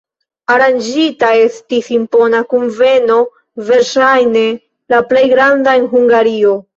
Aranĝita estis impona kunveno, verŝajne la plej granda en Hungario.